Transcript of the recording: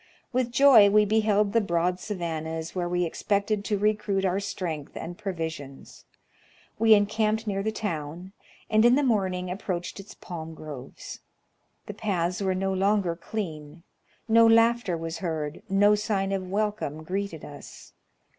With joy we beheld the broad savannas, where we expected to recruit our strength and provisions. We en camped near the town, and in the morning approached its palm groves. The paths were no longer clean, no laughter was heard, no sign of welcome greeted us.